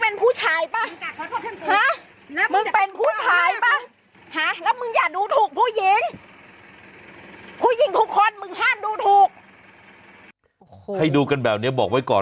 ผู้หญิงทุกคนมึงห้ามดูถูกโอ้โฮให้ดูกันแบบนี้บอกไว้ก่อน